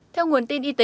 theo nguồn tin y tế